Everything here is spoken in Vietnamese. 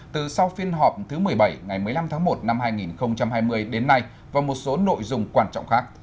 từ sau phiên họp thứ một mươi bảy ngày một mươi năm tháng một năm hai nghìn hai mươi đến nay và một số nội dung quan trọng khác